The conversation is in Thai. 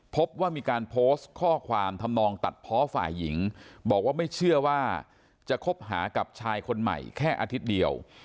พบว่ามีการโพสต์ข้อความทำนองตัดเพาะฝ่ายหญิงบอกว่าไม่เชื่อว่าจะคบหากับชายคนใหม่แค่อาทิตย์เดียว